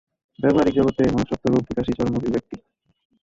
ব্যাবহারিক জগতে মনুষ্যত্ব-রূপ বিকাশই চরম অভিব্যক্তি।